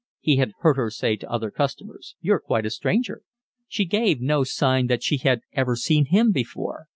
He had heard her say to other customers: "You're quite a stranger." She gave no sign that she had ever seen him before.